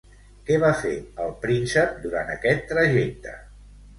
Què va fer el príncep durant aquest trajecte?